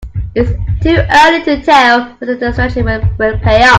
It's too early to tell whether the strategy will pay off.